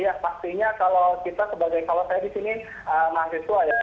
ya pastinya kalau kita sebagai kalau saya di sini mahasiswa ya